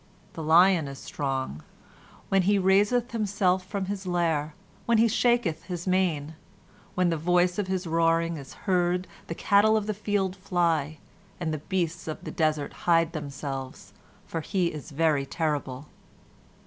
The lion is strong; when he raiseth himself from his lair, when he shaketh his mane, when the voice of his roaring is heard the cattle of the field fly, and the beasts of the desert hide themselves, for he is very terrible.